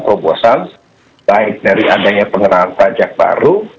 kebosan baik dari adanya pengerahan pajak baru